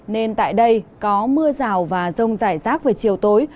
nên tại đây có mưa rào và rông rải rác về chiều tối